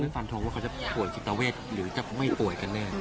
ฟันทงว่าเขาจะป่วยจิตเวทหรือจะไม่ป่วยกันแน่